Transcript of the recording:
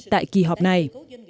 tại kỳ họp này